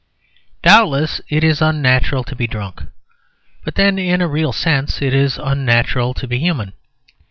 Doubtless, it is unnatural to be drunk. But then in a real sense it is unnatural to be human.